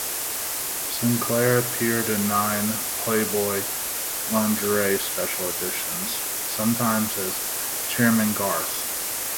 Sinclair appeared in nine "Playboy" lingerie special editions, sometimes as "Charmaine Garth.